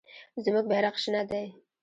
زموږ بیرغ شنه دی.